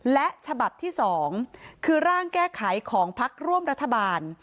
และฉบับที่๒คือร่างแก้ไขของพักร่วมรัฐบาล